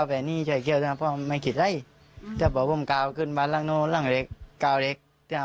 เค้าเคยมาถ้ามบ้านที่